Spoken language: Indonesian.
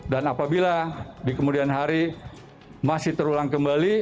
dan apabila di kemudian hari masih terulang kembali